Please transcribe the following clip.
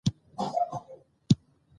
موږ باید په خپل ځان بسیا شو.